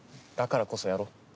だからこそやろう。